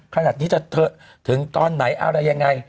อ่ะขณะที่จะเถอะถึงตอนไหนอะไรยังไง